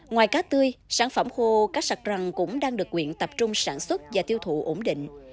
ngoài cá tươi sản phẩm khô cá sạc rằn cũng đang được quyện tập trung sản xuất và tiêu thụ ổn định